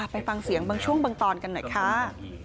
ไปฟังเสียงบางช่วงบางตอนกันหน่อยค่ะ